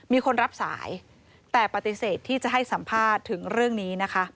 มีคนรับสายแต่ปฏิเสธที่จะให้สัมภาษณ์ถึงเรื่องนี้นะคะ